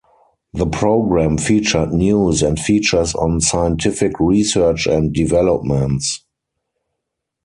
The program featured news and features on scientific research and developments.